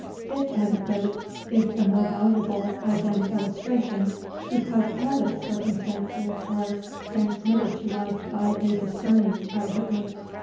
This anecdote is the more valuable as an illustration, because all its circumstances are transmitted to us by a discerning eye witness.